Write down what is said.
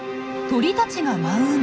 鳥たちが舞う海。